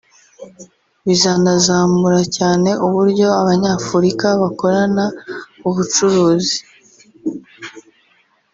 Bizanazamura cyane uburyo Abanyafurika bakorana ubucuruzi